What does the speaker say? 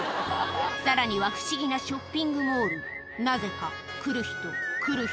さらには不思議なショッピングモールなぜか来る人来る人